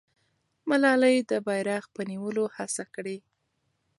ملالۍ د بیرغ په نیولو هڅه کړې.